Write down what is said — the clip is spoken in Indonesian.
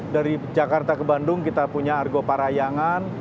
dari jakarta ke bandung kita punya argoparayangan